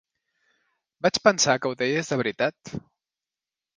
Vaig pensar que ho deies de veritat!